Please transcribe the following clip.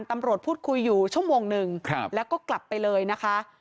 ตำรวจพูดคุยอยู่ชั่วโมงหนึ่งแล้วก็กลับไปเลยนะคะ